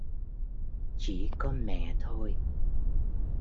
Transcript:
Chỉ có mẹ thôi